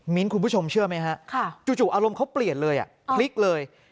คุณผู้ชมเชื่อไหมฮะจู่อารมณ์เขาเปลี่ยนเลยพลิกเลย